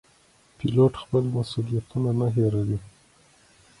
پیلوټ خپل مسوولیتونه نه هېروي.